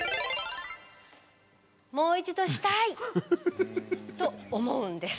「もう一度したい！」と思うんです。